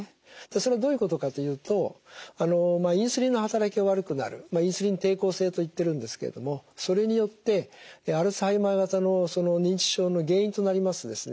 それはどういうことかというとインスリンの働きが悪くなるインスリン抵抗性と言っているんですけれどもそれによってアルツハイマー型の認知症の原因となりますですね